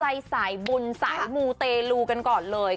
ใจสายบุญสายมูเตลูกันก่อนเลย